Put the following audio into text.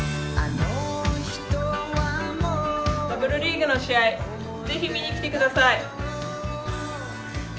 ダブルリーグの試合、ぜひ見に来てください。